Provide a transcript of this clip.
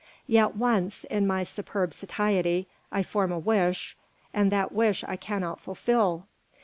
Yet once, in my superb satiety, I form a wish, and that wish I cannot fulfil.